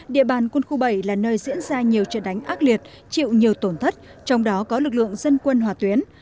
địa bàn quân khu bảy là nơi diễn ra nhiều trận đánh ác liệt chịu nhiều tổn thất trong đó có lực lượng dân quân hỏa tuyến